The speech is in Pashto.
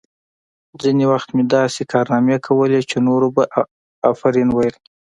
ځینې وخت مې داسې کارنامې کولې چې نورو به آفرین ویل